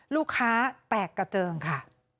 ลูกค้าแตกกระเจิงค่ะ